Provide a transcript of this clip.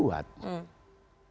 kan belum dibuat